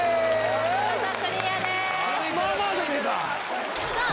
見事クリアですさあ